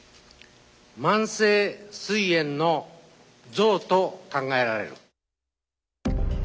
慢性すい炎の像と考えられる。